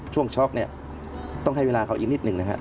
ช็อกเนี่ยต้องให้เวลาเขาอีกนิดหนึ่งนะครับ